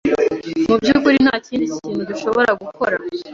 Mubyukuri ntakindi kintu dushobora gukora.